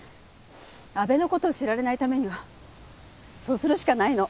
阿部の事を知られないためにはそうするしかないの。